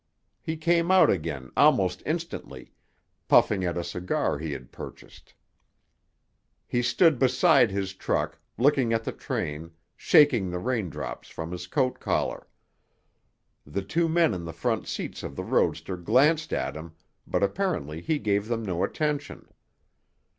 He came out again almost instantly, puffing at a cigar he had purchased. He stood beside his truck, looking at the train, shaking the raindrops from his coat collar. The two men in the front seats of the roadster glanced at him, but apparently he gave them no attention.